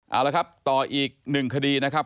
เอาละครับต่ออีกหนึ่งคดีนะครับ